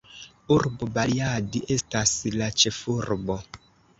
Urbo Bariadi estas la ĉefurbo.